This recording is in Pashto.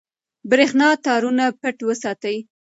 برېښنا تارونه پټ وساتئ.